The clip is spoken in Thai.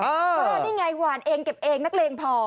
นี่ไงหวานเองเก็บเองนักเลงพอ